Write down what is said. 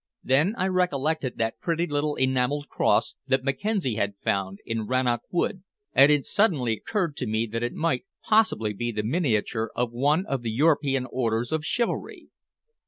Then I recollected that pretty little enameled cross that Mackenzie had found in Rannoch Wood, and it suddenly occurred to me that it might possibly be the miniature of one of the European orders of chivalry.